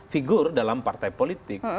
figur dalam partai politik